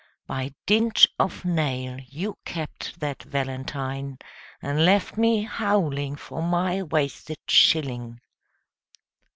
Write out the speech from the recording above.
By dint of nail you kept that valentine, And left me howling for my wasted shilling.